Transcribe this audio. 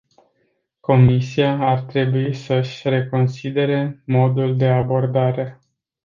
Comisia ar trebui să-și reconsidere modul de abordare.